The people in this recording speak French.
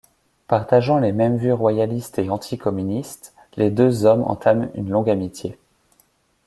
Partageant les mêmes vues royaliste et anti-communiste, les deux hommes entament une longue amitié.